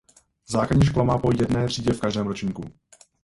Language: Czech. Základní škola má po jedné třídě v každém ročníku.